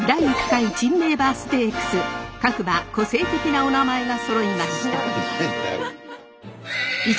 各馬個性的なおなまえがそろいました。